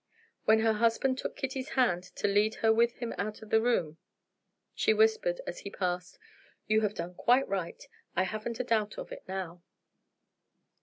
When her husband took Kitty's hand to lead her with him out of the room, she whispered as he passed: "You have done quite right; I haven't a doubt of it now!"